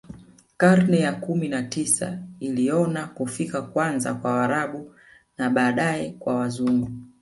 Karne ya kumi na tisa iliona kufika kwanza kwa Waarabu na baadae kwa Wazungu